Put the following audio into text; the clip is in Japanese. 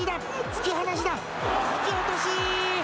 引き落とし。